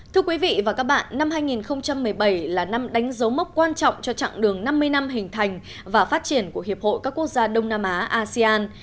thưa quý vị và các bạn năm hai nghìn một mươi bảy là năm đánh dấu mốc quan trọng cho chặng đường năm mươi năm hình thành và phát triển của hiệp hội các quốc gia đông nam á asean